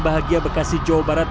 bahagia bekasi jawa barat